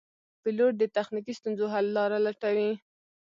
پیلوټ د تخنیکي ستونزو حل لاره لټوي.